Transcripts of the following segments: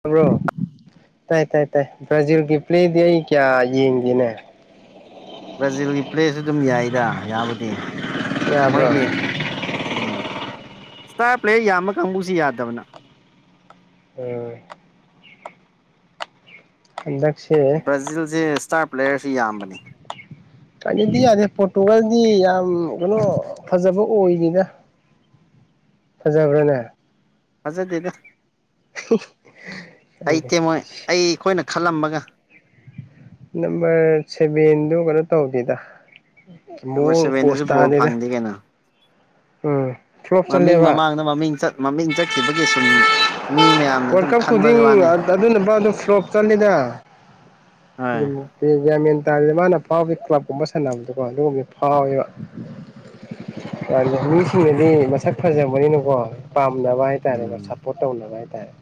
ꯇꯕ꯭ꯔꯣ ꯇꯥꯏ ꯇꯥꯏ ꯇꯥꯏ ꯕ꯭ꯔꯥꯖꯤꯜꯒꯤ ꯄ꯭ꯂꯦꯗꯤ ꯑꯩ ꯀꯌꯥ ꯌꯦꯡꯒꯦꯅꯦ ꯕ꯭ꯔꯥꯖꯤꯜꯒꯤ ꯄ꯭ꯂꯦꯁꯁꯨ ꯑꯗꯨꯝ ꯌꯥꯏꯗ ꯌꯥꯕꯨꯗꯤ ꯌꯥꯕ꯭ꯔꯣ ꯃꯣꯏꯒꯤ ꯎꯝ ꯏꯁꯇꯥꯔ ꯄ꯭ꯂꯦ ꯌꯥꯝꯕ ꯀꯥꯡꯕꯨꯁꯨ ꯌꯥꯗꯕꯅ ꯎꯝ ꯍꯗ ꯕ꯭ꯔꯥꯖꯤꯜꯁꯦ ꯏꯁꯇꯥꯔ ꯄ꯭ꯂꯦꯌꯔꯁꯨ ꯌꯥꯝꯕꯅꯤ ꯍꯥꯏꯗꯤ ꯌꯥꯗꯦ ꯄꯣꯇꯨꯒꯜꯗꯤ ꯌꯥꯝ ꯀꯩꯅꯣ ꯐꯖꯕ ꯑꯣꯏꯅꯤꯅ ꯁꯖꯕ꯭ꯔꯥꯅꯦ ꯐꯖꯗꯦꯗ ꯑꯩ ꯈꯪꯗꯦ ꯇꯦꯝꯃꯣꯏ ꯑꯩ ꯑꯩꯈꯣꯏꯅ ꯈꯜꯂꯝꯕꯒ ꯅꯝꯕꯔ ꯁꯚꯦꯟꯗꯨ ꯀꯩꯅꯣ ꯇꯧꯗꯦꯗ ꯃꯨ ꯅꯝꯕꯔ ꯁꯚꯦꯟꯗꯁꯨ ꯄꯣꯁꯇ ꯕꯣꯜ ꯍꯥꯏꯅꯤꯅꯦ ꯐꯪꯗꯦ ꯀꯩꯅꯣ ꯃꯃꯤꯡ ꯃꯃꯥꯡꯗ ꯃꯃꯤꯡꯠ ꯃꯃꯤꯡ ꯆꯠꯈꯤꯕꯒꯤ ꯁꯨꯝ ꯃꯤ ꯃꯌꯥꯝꯅ ꯋꯥꯔꯜ ꯑꯗꯨꯝ ꯀꯞ ꯈꯟꯕ ꯈꯨꯗꯤꯡ ꯋꯥꯅꯤ ꯑꯗꯨꯅꯕ ꯑꯗꯨ ꯁꯣꯞ ꯆꯠꯂꯤꯗ ꯍꯣꯏ ꯃꯤꯟ ꯍꯥꯏꯇꯥꯔꯗꯤ ꯃꯥꯅ ꯐꯥꯎꯗ ꯀ꯭ꯂꯕꯀꯨꯝꯕ ꯁꯥꯟꯅꯕꯗꯀꯣ ꯑꯗꯨꯒꯨꯝꯕꯗꯤ ꯐꯥꯎꯋꯦꯕ ꯃꯤꯁꯤꯡꯅꯗꯤ ꯃꯁꯛ ꯐꯖꯕꯅꯤꯅꯀꯣ ꯄꯥꯝꯅꯕ ꯍꯥꯏꯇꯥꯔꯦꯀꯣ ꯎꯝ ꯁꯞꯄꯣꯔꯠ ꯇꯧꯅꯕ ꯍꯥꯏꯇꯥꯔꯦ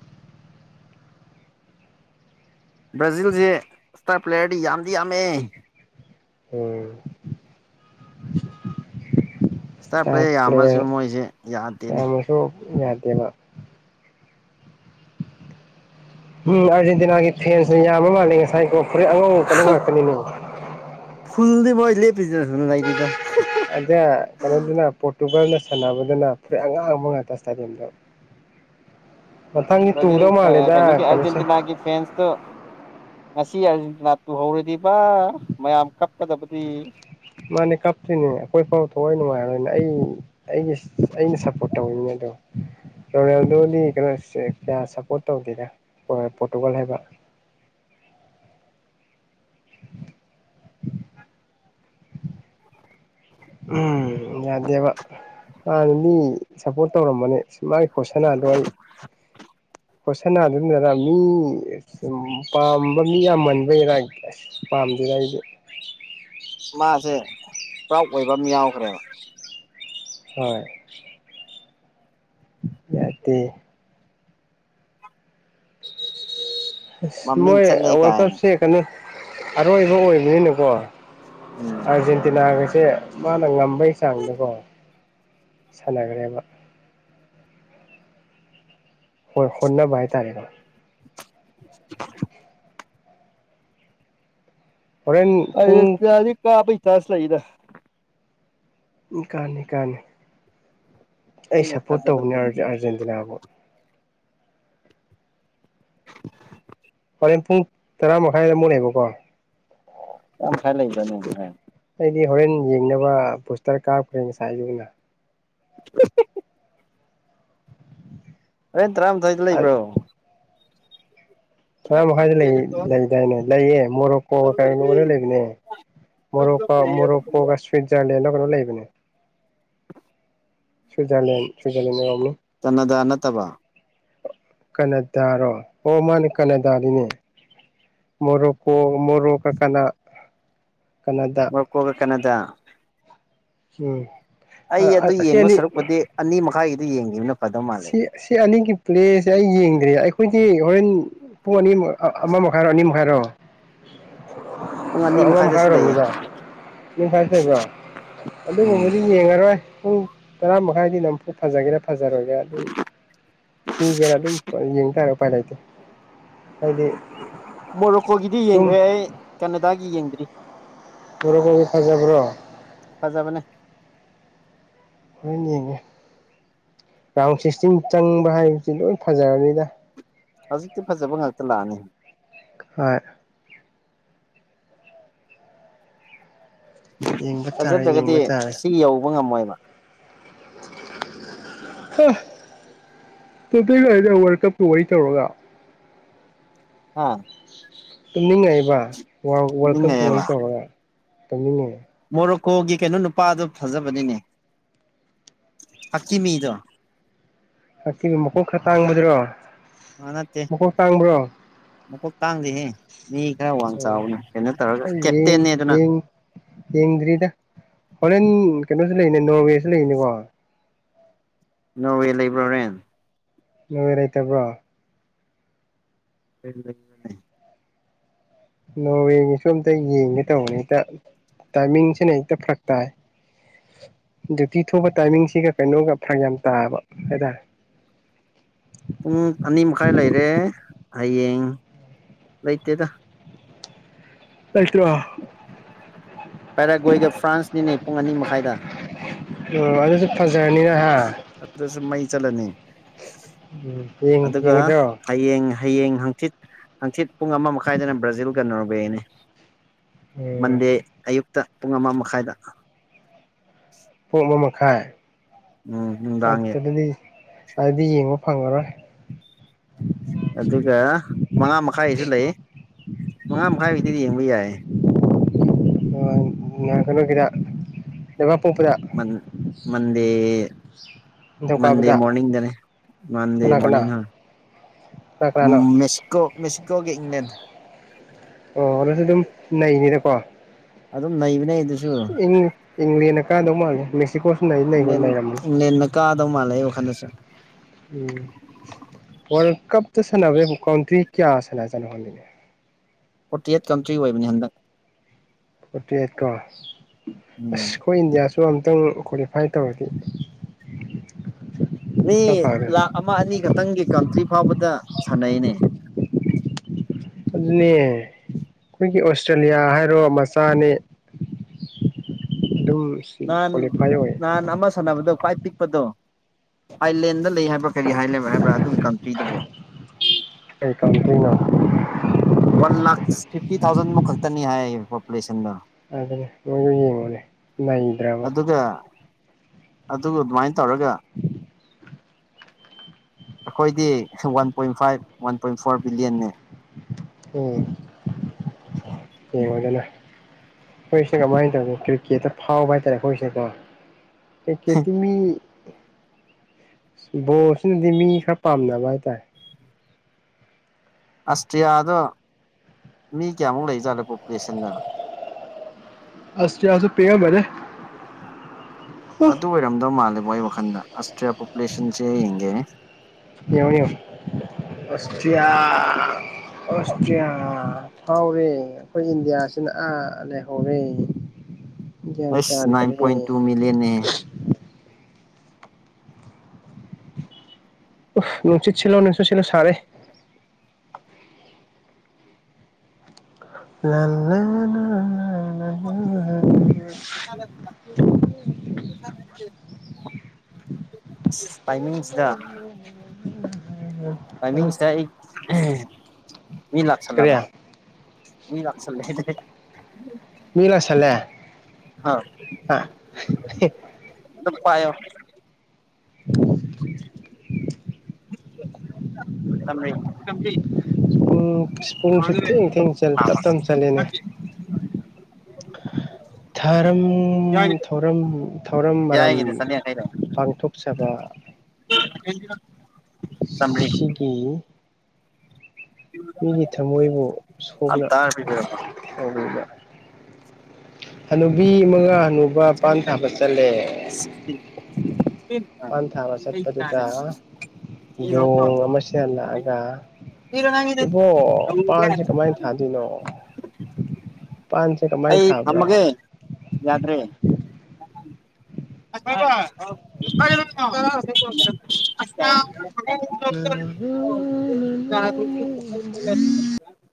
ꯕ꯭ꯔꯥꯖꯤꯜꯁꯦ ꯏꯁꯇꯥꯔ ꯄ꯭ꯂꯦꯌꯔꯗꯤ ꯌꯥꯝꯗꯤ ꯌꯥꯝꯃꯛꯑꯦ ꯑꯣꯝ ꯏꯁꯇꯥꯔ ꯄ꯭ꯂꯦꯌꯔ ꯄ꯭ꯂꯦꯔ ꯌꯥꯝꯃꯁꯨ ꯃꯣꯏꯁꯦ ꯃꯌꯥꯝ ꯌꯥꯗꯦꯅꯦ ꯑꯃꯁꯨ ꯌꯥꯗꯦꯕ ꯎꯝ ꯑꯥꯔꯖꯦꯟꯇꯤꯅꯥꯒꯤ ꯐꯦꯟꯁꯨꯅ ꯌꯥꯝꯕ ꯃꯥꯜꯂꯦ ꯉꯁꯥꯏꯀꯣ ꯐꯣꯔꯦꯟ ꯑꯉꯧꯀ ꯑꯗꯨꯝ ꯉꯥꯛꯇꯅꯤꯅꯦ ꯍ ꯃꯣꯂꯤ ꯑꯗ ꯀꯩꯅꯣꯗꯤꯅ ꯄ ꯨꯦꯜꯅ ꯁꯥꯟꯅꯕꯗꯨꯅ ꯐꯔꯠ ꯑ ꯉꯥꯡꯕ ꯉꯥꯛꯇ ꯏꯁꯇꯥꯦꯗꯤꯌꯝꯗꯣ ꯭ꯔꯥꯖꯤꯜ ꯀꯩꯅꯣ ꯑꯔꯖꯦꯟꯇꯤꯅꯥꯒꯤ ꯐꯦꯟꯁꯇ ꯉꯁꯤ ꯑꯥꯔꯖꯦꯟꯇꯤꯅꯥ ꯇꯨꯍꯧꯔꯗꯤꯕ ꯃꯌꯥꯝ ꯀꯞꯀꯗꯕꯗꯤ ꯃꯥꯅꯦ ꯀꯥꯞꯇꯣꯏꯅꯦ ꯑꯩꯈꯣꯏ ꯄꯥꯎ ꯊꯑꯣꯏ ꯅꯨꯡꯉꯥꯏꯔꯣꯏꯅꯦ ꯑꯩ ꯑꯩꯒꯤ ꯑꯩꯅ ꯁꯞꯄꯣꯔꯠ ꯇꯧꯔꯤꯅꯦ ꯑꯗꯨꯣ ꯔꯣꯅꯦꯜꯗꯣꯗꯤ ꯀꯩꯅꯣ ꯀꯌꯥ ꯁꯞꯄꯣꯔꯠ ꯇꯧꯗꯦꯗ ꯄꯣꯔꯇꯨꯒꯜ ꯍꯥꯏꯕ [inaudible] ꯎꯝ ꯌꯥꯗꯦꯕ ꯍꯥꯟꯅꯗꯤ ꯁꯞꯄꯣꯔꯠ ꯇꯧꯔꯝꯕꯅꯦ ꯃꯥꯒꯤ ꯐꫭꯔꯁꯇ ꯅꯥꯗꯦ ꯑꯩ ꯀꯣꯏꯁꯅꯥ ꯑꯗꯨꯝꯗꯔ ꯃꯤ ꯄꯥꯝꯕ ꯃꯤ ꯌꯥꯝꯃꯟꯕ ꯌꯥꯔ ꯑꯁ ꯄꯥꯝꯃꯦ ꯔꯥꯏ ꯃꯥꯁꯦ ꯄ꯭ꯔꯥꯎꯠ ꯑꯣꯏꯕ ꯑꯃ ꯌꯥꯎꯈ꯭ꯔꯦꯕ ꯍꯣꯏ ꯌꯥꯗꯦ ꯑꯁ ꯃꯃꯤꯡ ꯃꯣꯏ ꯆꯠꯂꯦ ꯋꯥꯔꯜ ꯀꯥꯏꯅ ꯀꯞꯁꯦ ꯀꯩꯅꯣ ꯑꯔꯣꯏꯕ ꯑꯣꯏꯕꯅꯤꯅꯀꯣ ꯎꯝ ꯑꯥꯔꯖꯦꯟꯇꯤꯅꯥꯒꯩꯁꯦ ꯃꯥꯅ ꯉꯝꯕꯩ ꯆꯥꯡꯗꯀꯣ ꯁꯅꯥꯒꯔꯕ ꯍꯣꯏ ꯍꯣꯟꯅꯕ ꯍꯥꯏ ꯇꯥꯔꯦꯀꯣ [inaudible] ꯍꯣꯔꯦꯟ ꯄꯨꯡ ꯑꯥꯔꯖꯦꯟꯇꯤꯅꯥꯗꯤ ꯀꯥꯕꯩ ꯆꯥꯟꯁ ꯂꯩꯗ ꯎꯝ ꯀꯥꯅꯤ ꯀꯥꯅꯤ ꯑꯩ ꯑꯩꯅ ꯁꯞꯄꯣꯔꯠ ꯊꯥꯖꯕꯗꯤ ꯇꯧꯕꯅꯦ ꯑꯃꯨꯛ ꯑꯥꯔꯖꯦꯟꯇꯤꯅꯥꯕꯨ [inaudible] ꯄꯨꯡ ꯇꯔꯥ ꯃꯈꯥꯏꯗ ꯑꯃꯨꯛ ꯅꯦꯕꯀꯣ ꯇꯔꯥ ꯃꯈꯥꯏ ꯂꯩꯗꯅꯦ ꯐ ꯗꯤ ꯍꯣꯔꯦꯟ ꯌꯦꯡꯅꯕ ꯕꯨꯁꯇꯔ ꯀꯥꯞꯈ꯭ꯔꯦ ꯉꯁꯥꯏ ꯑꯨꯅ [inaudible] ꯑꯩꯅ ꯇꯔꯥꯃꯊꯏꯗ ꯂꯩꯕ꯭ꯔꯣ ꯇꯔꯥ ꯃꯈꯥꯏꯗ ꯂꯩꯗꯥꯏꯅꯦ ꯂꯩꯌꯦ ꯃꯣꯔꯣꯛꯀꯣ ꯀꯩꯅꯣ ꯂꯔ ꯂꯩꯕꯅꯦ ꯃꯣꯔꯣꯀꯣ ꯃꯣꯔꯣꯀꯣꯒ ꯁ꯭ꯋꯤꯖꯔꯂꯦꯟꯒ ꯀꯩꯅꯣ ꯂꯩꯕꯅꯦ ꯁꯋꯏꯖꯔꯂꯦꯟ ꯁꯋꯏꯖꯔꯂꯦꯟ ꯑꯦꯔꯝꯅꯤ ꯇꯅꯗ ꯅꯠꯇꯕ ꯀꯅꯥꯗꯥꯔꯣ ꯑꯣꯃꯟ ꯀꯅꯥꯗꯥꯔꯤꯅꯦ ꯃꯣꯔꯣꯛꯣ ꯃꯣꯔꯣꯛꯈꯀ ꯋꯥ ꯀꯣꯒ ꯀꯅꯥꯗ ꯎꯝ ꯑꯩ ꯑꯗꯨ ꯑꯁꯤ ꯌꯦꯡꯉ ꯑꯅꯤ ꯁꯔꯨꯛꯄꯗꯤ ꯑꯅꯤ ꯃꯈꯥꯏꯒꯤꯗꯨ ꯌꯦꯡꯈꯤꯕꯅꯣ ꯁꯤ ꯁꯤ ꯑꯅꯤꯒꯤ ꯄ꯭ꯂꯦꯁꯦ ꯑꯩ ꯌꯦꯡꯗ꯭ꯔꯤꯦ ꯑꯩꯈꯣꯏ ꯍꯣꯔꯦꯟ ꯄꯨꯡ ꯑꯅꯤ ꯑꯃ ꯃꯈꯥꯏꯔꯣ ꯑꯅꯤ ꯃꯈꯥꯏꯔꯣ ꯄꯨꯡ ꯑꯅꯤ ꯑꯝ ꯃꯈꯥꯏꯗꯁꯨ ꯂꯩꯌꯦ ꯍꯥꯏꯔꯣꯝꯃꯤꯗ ꯅ ꯐꯥꯏꯕ꯭ꯔꯣ ꯎꯝ ꯑꯗꯨꯒꯨꯝꯕꯗꯤ ꯌꯦꯡꯉꯔꯣꯏ ꯄꯨꯡ ꯇꯔꯥ ꯃꯈꯥꯏꯗꯤ ꯅꯝꯨꯐꯨ ꯐꯖꯒꯦꯔꯥ ꯐꯖꯔꯣꯏꯒꯦꯔ ꯑꯗꯨꯝ ꯊꯤꯒꯦꯔꯥ ꯑꯗꯨꯝ ꯌꯦꯡ ꯇꯔꯦ ꯎꯄꯥꯏ ꯂꯩꯇꯦ ꯍꯥꯏꯗꯤ ꯃꯣꯔꯣꯀꯣꯒꯤꯗꯤ ꯑꯗꯨꯝ ꯌꯦꯡꯈ꯭ꯔꯦ ꯑꯩ ꯀꯅꯥꯗꯥꯒꯤ ꯌꯦꯡꯗ꯭ꯔꯤ ꯃꫭꯔꫭꯀꯣꯒꯤ ꯐꯖꯕ꯭ꯔꯣ ꯐꯖꯕꯅꯦ ꯑꯣꯏꯣꯏꯅꯤꯒ ꯔꯥꯎꯟ ꯁꯤꯛꯁꯇꯤꯟ ꯆꯪꯕ ꯍꯥꯏꯕꯁꯤ ꯂꯣꯏ ꯐꯖꯔꯅꯤꯗ ꯍꯧꯖꯤꯛꯇꯤ ꯐꯖꯕ ꯉꯥꯛꯇ ꯂꯥꯛꯑꯅꯤ ꯍꯣꯏ ꯌꯦꯡꯕ ꯇꯥꯔꯦ ꯐꯖꯗ꯭ꯔꯒꯗꯤ ꯌꯦꯡꯕ ꯑꯁꯤ ꯌꯧꯕ ꯉꯝꯃꯣꯏꯕ ꯍꯥ ꯇꯇꯩꯗ ꯋꯥꯔꯜ ꯀꯞꯀ ꯋꯥꯔꯤ ꯇꯧꯔꯒ ꯎꯝ ꯇꯨꯝꯅꯤꯡꯉꯛꯏꯕ ꯋꯥꯔꯜ ꯀꯞꯀꯤ ꯅꯤꯡꯉꯛꯑꯦꯕ ꯋꯥꯔꯤ ꯇꯧꯔꯒ ꯇꯨꯝꯅꯤꯡꯉꯛ ꯃꯣꯔꯣꯀꯣꯒꯤ ꯀꯩꯅꯣ ꯅꯨꯄꯥꯗꯨ ꯐꯖꯕꯅꯤꯅꯦ ꯍꯥꯀꯤꯃꯤꯗꯨ ꯑ ꯃꯀꯣꯛ ꯈꯔ ꯇꯥꯡꯕꯗ꯭ꯔꯣ ꯑ ꯃꯀꯣꯛ ꯇꯥꯡꯕ꯭ꯔꯣ ꯇꯥꯡꯗꯤꯍꯦ ꯃꯤ ꯈꯔ ꯋꯥꯡ ꯑꯣ ꯆꯥꯎꯕꯅꯦ ꯀꯩꯅꯣ ꯇꯧꯔꯒ ꯑꯩ ꯌꯦꯡ ꯀꯦꯞꯇꯦꯟꯅꯦ ꯑꯗꯨꯅ ꯌꯦꯡ ꯌꯦꯡꯗ꯭ꯔꯤꯗ ꯍꯣꯂꯦꯟ ꯀꯩꯅꯣꯁꯨ ꯂꯩꯔꯤꯅꯦ ꯅꯣꯔꯋꯦꯁꯨ ꯂꯩꯔꯤꯅꯤꯀꯣ ꯅꯣꯋꯦ ꯂꯩꯕ꯭ꯔꯣꯣꯔꯦꯟ ꯃ ꯂꯩꯇꯕ꯭ꯔꯣ ꯑꯣꯏꯅꯦ ꯅꯣꯋꯦꯒꯤꯁꯨ ꯑꯝꯇ ꯌꯦꯡꯒꯦ ꯇꯧꯕꯅꯦ ꯍꯦꯛꯇ ꯇꯥꯏꯃꯤꯡꯁꯤꯅ ꯍꯦꯛꯇ ꯐꯔꯛ ꯇꯥꯏ ꯗ꯭ꯌꯨꯇꯤ ꯊꯣꯛꯄ ꯇꯥꯏꯃꯤꯡꯁꯤꯒ ꯀꯩꯅꯣꯒ ꯐꯔꯛ ꯌꯥꯝ ꯇꯥꯕ ꯍꯥꯏꯇꯥꯔꯦ [inaudible] ꯄꯨꯡ ꯑꯅꯤ ꯃꯈꯥꯏ ꯂꯩꯔꯦ ꯍꯌꯦꯡ ꯂꯩꯇꯦꯗ ꯇꯁꯨ ꯄꯦꯔꯥꯒꯣꯏꯒ ꯐ꯭ꯔꯥꯟꯁꯅꯤꯅꯦ ꯄꯨꯡ ꯑꯅꯤ ꯃꯈꯥꯏꯗ ꯎꯝ ꯑꯗꯨꯁꯨ ꯐꯖꯔꯅꯤꯅ ꯍꯥ ꯑꯗꯨꯗꯁꯨ ꯃꯩ ꯆꯠꯂꯅꯤ ꯎꯝ ꯌꯦꯡ ꯑꯗꯨꯒ ꯌꯦꯡꯒꯗ꯭ꯔꯣ ꯍꯌꯦꯡ ꯍꯌꯦꯡ ꯍꯥꯡꯆꯤꯠ ꯍꯥꯡꯆꯤꯠ ꯄꯨꯡ ꯑꯃ ꯃꯈꯥꯏꯗꯅ ꯕ꯭ꯔꯥꯖꯤꯜꯒ ꯅꯔꯕꯦꯅꯤ ꯎꯝ ꯃꯟꯗꯦ ꯑꯌꯨꯛꯇ ꯄꯨꯡ ꯑꯃ ꯃꯈꯥꯏꯗ ꯄꯣ ꯑꯃ ꯃꯈꯥꯏ ꯎꯝ ꯅꯨꯡꯗꯥꯡꯒꯤ ꯆꯠꯇꯗꯤ ꯑꯗꯨꯗꯤ ꯌꯦꯡꯉꯣ ꯐꯪꯉꯔꯣꯏ ꯑꯗꯨꯒ ꯃꯉꯥ ꯃꯈꯥꯏꯁꯨ ꯂꯩ ꯃꯉꯥ ꯃꯈꯥꯏ ꯍꯗꯤ ꯌꯦꯡꯕ ꯌꯥꯏ ꯀꯩꯅꯣ ꯀꯗ ꯃꯟ ꯃꯗꯦ ꯃꯟꯗꯦ ꯅꯤꯡꯊꯧꯀꯥꯕꯗ ꯃꯣꯔꯅꯤꯡꯗꯅꯦ ꯃꯟꯗꯦ ꯀꯅꯥ ꯀꯅꯥ ꯃꯣꯔꯅꯤꯡ ꯍꯥ ꯀꯅꯥ ꯀꯅꯥꯅꯣ ꯃꯦꯁꯤꯀꯣ ꯃꯦꯁꯤꯀꯣꯒꯤ ꯏꯪꯂꯂꯦꯟ ꯑꯣ ꯑꯗꯨꯁꯨ ꯑꯗꯨꯝ ꯅꯩꯅꯤꯗꯀꯣ ꯑꯗꯨꯝ ꯅꯩꯕꯅꯦ ꯏꯪꯂꯦꯟꯅ ꯀꯥꯟꯗꯧ ꯃꯥꯜꯒꯦ ꯃꯦꯛꯁꯤꯀꯣ ꯅ ꯅꯦꯟꯅ ꯀꯥꯗꯧ ꯃꯥꯜꯂꯦ ꯑꯩ ꯋꯥꯈꯜꯗꯁꯨ ꯎꯝ ꯋꯥꯔꯜ ꯀꯞꯇ ꯁꯥꯟꯅꯕ ꯀꯥꯎꯟꯇ꯭ꯔꯤ ꯀꯌꯥ ꯁꯥꯟꯅꯖꯠꯅꯣꯕꯤꯅꯦ ꯐꯣꯔꯇꯤ ꯑꯩꯠ ꯀꯟꯇ꯭ꯔꯤ ꯑꯣꯏꯕꯅꯤ ꯍꯟꯗꯛ ꯐꯣꯔꯇꯤ ꯑꯩꯠ ꯎꯝ ꯀꯁ ꯀꯣꯏ ꯏꯟꯗꯤꯌꯥ ꯁꯨ ꯑꯝꯇꯪ ꯀ꯭ꯋꯥꯂꯤꯐꯥꯏ ꯇꯧꯔꯗꯤ ꯃꯤ ꯈꯔ ꯐꯒꯗꯝ ꯂꯥꯈ ꯑꯃ ꯑꯅꯤ ꯈꯛꯇꯪꯒꯤ ꯀꯟꯇ꯭ꯔꯤ ꯐꯥꯎꯕꯗ ꯁꯥꯟꯅꯩꯅꯦ ꯑꯗꯨꯅꯦ ꯑꯩꯈꯣꯏꯒꯤ ꯑꯣꯁꯇ꯭ꯔꯦꯂꯤꯌꯥ ꯍꯥꯏꯔꯣ ꯃꯆꯥꯅꯤ [inaudible] [unintelligible] ꯅꯍꯥꯟ ꯅꯍꯥꯟ ꯑꯃ ꯁꯥꯟꯅꯕꯗꯣ ꯈ꯭ꯋꯥꯏ ꯄꯤꯛꯄꯗꯣ ꯑꯥꯏꯂꯦꯟꯗ ꯂꯩ ꯍꯥꯏꯕ꯭ꯔꯥ ꯀꯔꯤ ꯍꯥꯏꯦꯕ ꯍꯥꯏꯕ꯭ꯔꯥ ꯑꯗꯨꯒꯤ ꯀꯟꯇ꯭ꯔꯤꯗꯨꯕꯨ ꯀꯩ ꯀꯥꯎꯟꯇ꯭ꯔꯤꯅꯣ ꯋꯥꯟ ꯂꯥꯛ ꯐꯤꯐꯇꯤ ꯊꯥꯎꯖꯟ ꯃꯨꯛ ꯈꯛꯇꯅꯤ ꯍꯥꯏ ꯄꯣꯄꯨꯂꯦꯁꯟꯗ ꯑꯗꯨꯅ ꯃꯣꯏꯁꯨ ꯌꯦꯡꯉꯨꯅꯦ ꯂꯩꯅꯥꯗ꯭ꯔꯕ ꯑꯗꯨꯒ ꯑꯗꯨꯒ ꯑꯗꯨꯃꯥꯏꯅ ꯇꯧꯔꯒ ꯑꯩꯈꯣꯏꯗꯤ one point five one point four ꯕꯤꯂꯤꯌꯟꯅꯤ ꯎꯝ ꯌꯦꯒꯅ ꯍꯣꯏꯁꯦ ꯀꯃꯥꯏꯅ ꯇꯧꯅꯤ ꯀ꯭ꯔꯤꯀꯦꯠ ꯐꯥꯎꯕ ꯍꯥꯏꯇꯥꯔꯦ ꯍꯣꯏꯁꯦꯀꯣ ꯈꯦꯇꯃꯤ ꯕꯣꯁꯤꯅꯗꯤ ꯃꯤ ꯈꯔ ꯄꯥꯝꯅꯕ ꯍꯥꯏꯇꯥꯔꯦ ꯑꯁꯇ꯭ꯔꯤꯌꯥꯗꯣ ꯃꯤ ꯀꯌꯥꯃꯨꯛ ꯂꯩꯖꯥꯠꯂꯦ ꯄꯣꯄꯨꯂꯦꯁꯟꯗ ꯑꯁ ꯆꯁꯨ ꯄꯉ ꯃꯔꯦ ꯑꯗꯨ ꯑꯣꯏꯔꯝꯗꯧ ꯃꯥꯜꯂꯦꯕꯣ ꯑꯩ ꯋꯥꯈꯟꯗ ꯑꯁ ꯄꯣꯄꯨꯂꯦꯁꯟꯁꯦ ꯍꯒꯦ ꯑꯣꯁꯇꯔꯤꯌꯥ ꯑꯣꯁꯇ꯭ꯔꯤꯌꯥ ꯐꯥꯎꯔꯦ ꯑꯩꯈꯣꯏ ꯏꯟꯗꯤꯌꯥꯁꯤꯅ ꯑꯥ ꯂꯩꯍꯧꯔꯦ ꯒ꯭ꯌꯥꯟ ꯑꯦꯁ ꯅꯥꯏꯟ ꯇꯥꯗ꯭ꯔꯦ ꯄꯣꯏꯟ ꯇꯨ ꯃꯤꯂꯌꯟ ꯑꯦ ꯎ ꯎꯆꯆꯠ ꯅꯂ ꯁꯥꯔꯦ ꯂ ꯂ ꯅꯌ [unintelligible] [unintelligible] ꯑ ꯇꯥꯏꯃꯤꯡꯁꯤꯗ ꯇꯥꯏ ꯃꯤꯡ ꯁꯤ ꯃꯤ ꯀꯔꯤ ꯂꯥꯛꯁꯂꯒ ꯂꯁ ꯒꯤꯂꯁꯂꯦ ꯑ [unintelligible] [inaudible] [unintelligible] [inaudible] [inaudible] [unintelligible] ꯄꯨꯡ ꯄꯨꯡꯁꯨ ꯊꯦꯡ ꯊꯦꯡ ꯆ ꯊꯥ ꯇꯞ ꯑꯃ ꯇꯞꯅ ꯆꯠꯂꯦꯅꯦ [unintelligible] ꯊꯧꯔꯝ ꯊꯧꯔꯝ ꯃꯔꯝ ꯌꯥꯏꯒꯤꯗ ꯆꯅꯤ ꯌꯥꯡꯈꯩ ꯂꯩ ꯄꯥꯡꯊꯣꯛꯆꯩ ꯆꯕ [unintelligible] ꯆꯥꯝꯃꯔꯤ ꯁꯤꯒꯤ ꯃꯤꯒꯤ ꯊꯃꯣꯏꯕꯨ ꯑ ꯁꯣꯛꯅ ꯇꯥꯔ ꯄꯤꯕꯤꯔꯝꯃꯣ ꯇꯕ ꯍꯥꯅꯨꯕꯤ ꯃꯉꯥ ꯅꯨꯨꯕꯄꯥꯟ ꯊꯥꯒ ꯆꯠꯂꯦ ꯁꯤꯛꯁꯇꯤ ꯑ ꯄꯟ ꯊꯥꯕ ꯁꯠꯄꯗꯨ ꯇ ꯌꯣꯡ ꯑꯃꯁ ꯂꯥꯛꯑꯒ ꯄꯤꯔꯣ ꯅꯪꯒꯤꯗꯨ ꯏꯕꯣ ꯄꯥꯟꯁꯤ ꯀꯃꯥꯏꯅ ꯊꯥꯗꯣꯏꯅꯣ ꯄꯥꯟꯁꯦ ꯀꯃꯥꯏꯅ ꯊꯥꯕ꯭ꯔꯥ ꯌꯥꯗ꯭ꯔꯔꯤ [unintelligible] [unintelligible]